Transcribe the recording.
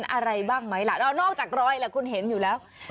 อะไรเหรออะไรหละ